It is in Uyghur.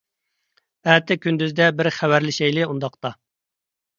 ئەتە كۈندۈزدە بىر خەۋەرلىشەيلى ئۇنداقتا.